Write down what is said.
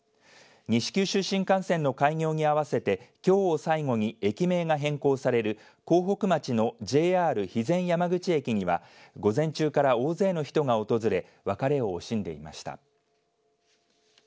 西九州新幹線の開業に合わせてきょうを最後に駅名が変更される江北町のＪＲ肥前山口駅には午前中から大勢の人が訪れ別れを惜しんでいました。